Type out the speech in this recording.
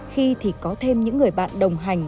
khi thì có thêm những người bạn đồng hành